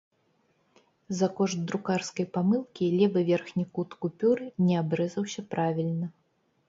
За кошт друкарскай памылкі левы верхні кут купюры не абрэзаўся правільна.